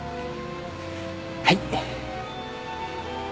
はい。